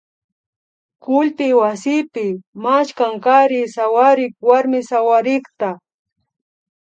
kullpi wasipi maskan kari sawarik warmi sawarikta